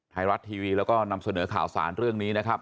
ไทยรัฐทีวีแล้วก็นำเสนอข่าวสารเรื่องนี้นะครับ